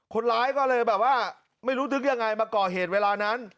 คนร้ายก็เลยแบบว่าไม่รู้ทึกยังไงมาก่อเหตุเวลานั้น